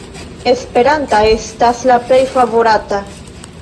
Esperanta estas la plej favorata.